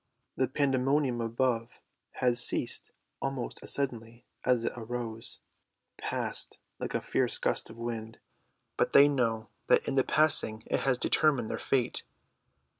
The pandemonium above has ceased almost as suddenly as it arose, passed like a fierce gust of wind; but they know that in the passing it has determined their fate.